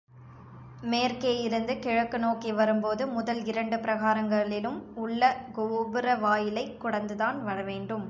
மேற்கேயிருந்து கிழக்கு நோக்கி வரும்போது முதல் இரண்டு பிராகாரங்களிலும் உள்ள கோபுர வாயிலைக் கடந்துதான் வரவேண்டும்.